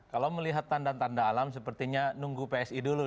kalau melihat tanda tanda alam sepertinya nunggu psi dulu